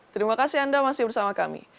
terima kasih anda masih bersama kami